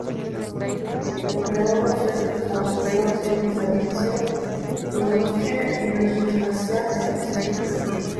Entre unos y otros transcurrieron siglos de oficio, industria y legislación específica.